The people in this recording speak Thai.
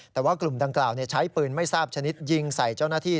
แต่ว่ากลุ่มดังกล่าวใช้ปืนไม่ทราบชนิดยิงใส่เจ้าหน้าที่